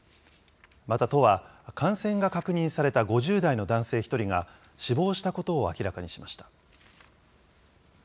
また都は、感染が確認された５０代の男性１人が死亡したことを明らかにしました。